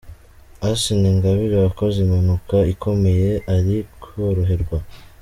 Asinah Ingabire wakoze impanuka ikomeye ari koroherwa.